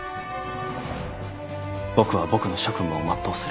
僕は僕の職務を全うする。